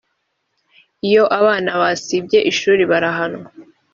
iyo abana basibye ishuri barahanwa